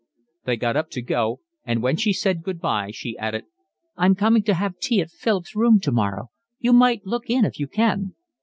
They got up to go and when she said good bye, she added: "I'm coming to have tea at Philip's room tomorrow. You might look in if you can."